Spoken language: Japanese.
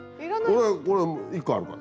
俺これ１個あるから。